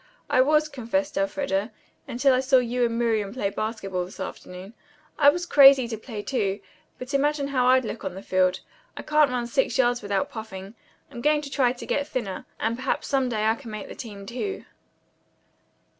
"I was," confessed Elfreda, "until I saw you and Miriam play basketball this afternoon. I was crazy to play, too. But imagine how I'd look on the field. I couldn't run six yards without puffing. I'm going to try to get thinner, and perhaps some day I can make the team, too."